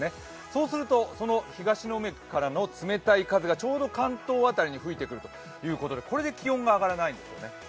そうすると、東の海からの冷たい風がちょうど関東辺りに吹いてくるということで、これで気温が上がらないんです。